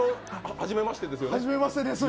初めましてです